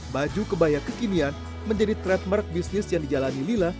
baju kebaya kekinian menjadi trademark bisnis yang dijalani lila